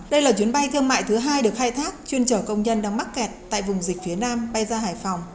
đây là chuyến bay thương mại thứ hai được khai thác chuyên chở công nhân đang mắc kẹt tại vùng dịch phía nam bay ra hải phòng